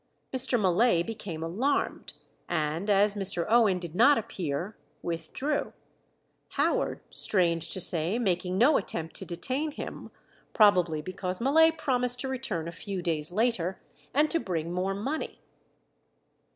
Mr. Mullay became alarmed, and as Mr. Owen did not appear, withdrew; Howard, strange to say, making no attempt to detain him; probably because Mullay promised to return a few days later, and to bring more money.